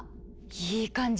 いい感じ！